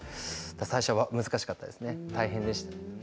最初は難しかったですね大変でした。